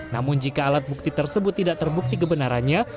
namun jika alat bukti tersebut tidak terbukti kebenarannya